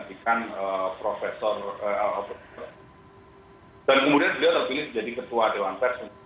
dan kemudian beliau terpilih menjadi ketua dewan pers